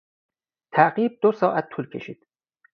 تعقیب دوساعت طول کشید.